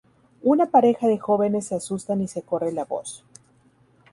Una pareja de jóvenes se asustan y se corre la voz.